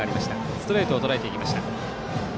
ストレートをとらえていきました。